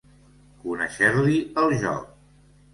Conèixer-li el joc.